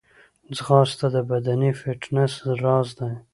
ځغاسته د بدني فټنس راز دی